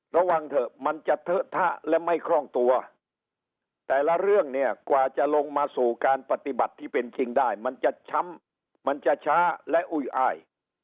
ระวังเถอะมันจะเทอะทะและไม่คล่องตัวแต่ละเรื่องเนี่ยกว่าจะลงมาสู่การปฏิบัติที่เป็นจริงได้มันจะช้ำมันจะช้าและอุ้ยอ้าย